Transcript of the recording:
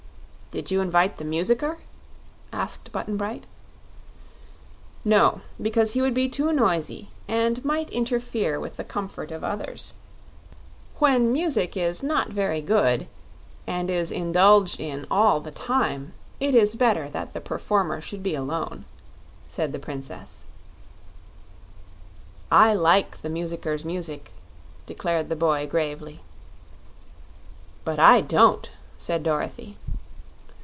"Did you 'vite the Musicker?" asked Button Bright. "No; because he would be too noisy, and might interfere with the comfort of others. When music is not very good, and is indulged in all the time, it is better that the performer should be alone," said the Princess. "I like the Musicker's music," declared the boy, gravely. "But I don't," said Dorothy.